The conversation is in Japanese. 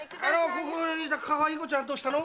ここにいたかわいこちゃんどうしたの？